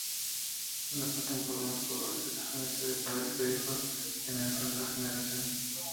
La pasión por unos colores se transmite de padres a hijos, generación tras generación.